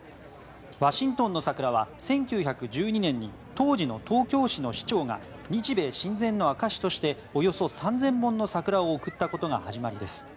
ワシントンの桜は１９１２年に当時の東京市の市長が日米親善の証しとしておよそ３０００本の桜を贈ったことが始まりです。